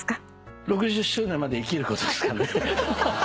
６０周年まで生きることですかね。